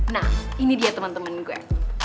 nah ini dia temen temen gue